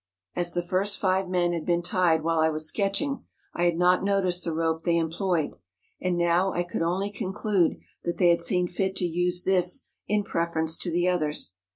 As the first five men had been tied while I was sketching, I had not noticed the rope they employed, and now I could only conclude that they had seen fit to use' this in preference to the others.